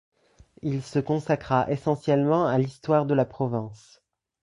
Il se consacra essentiellement à l'histoire de la Provence.